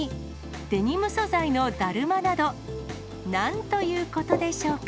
デニム素材のだるまなど、なんということでしょうか。